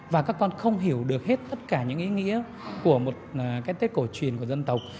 và các con không hiểu được hết tất cả những ý nghĩa của một cái tết cổ truyền của dân tộc